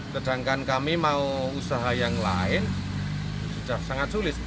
sedangkan kami mau usaha yang lain sudah sangat sulit